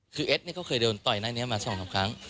คือเอ็ดเค้าเคยเดินต่อยแน่นี้มา๒๓ครั้ง